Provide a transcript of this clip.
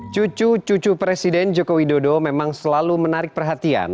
cucu cucu presiden joko widodo memang selalu menarik perhatian